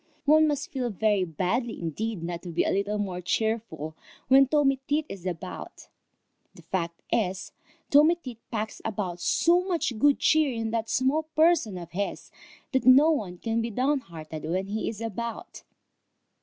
One must feel very badly indeed not to be a little more cheerful when Tommy Tit is about. The fact is, Tommy Tit packs about so much good cheer in that small person of his, that no one can be downhearted when he is about.